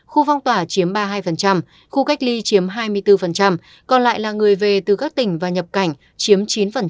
khu phong tỏa chiếm ba mươi hai khu cách ly chiếm hai mươi bốn còn lại là người về từ các tỉnh và nhập cảnh chiếm chín